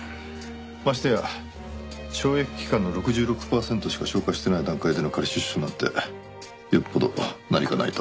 ましてや懲役期間の６６パーセントしか消化してない段階での仮出所なんてよっぽど何かないと。